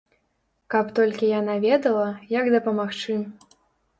Каб толькі яна ведала, як дапамагчы.